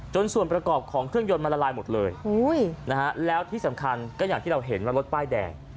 ส่วนประกอบของเครื่องยนต์มันละลายหมดเลยแล้วที่สำคัญก็อย่างที่เราเห็นว่ารถป้ายแดง